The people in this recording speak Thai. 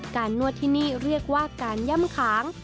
นวดที่นี่เรียกว่าการย่ำขาง